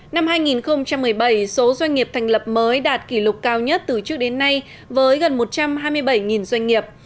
năm hai nghìn một mươi bảy số doanh nghiệp thành lập mới đạt kỷ lục cao nhất từ trước đến nay với gần một trăm hai mươi bảy doanh nghiệp